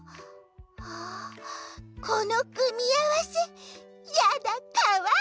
ああこのくみあわせやだかわいい！